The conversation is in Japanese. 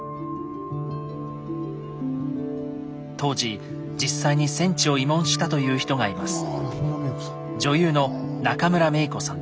当時実際に戦地を慰問したという人がいます。